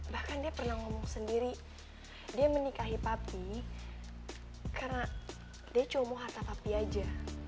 bahkan dia pernah ngomong sendiri dia menikahi papi karena dia cuma mau harta papi aja